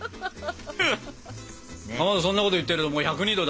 かまどそんなこと言ってるともう１０２℃だよ。